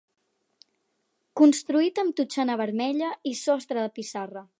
Construït amb totxana vermella i sostre de pissarra.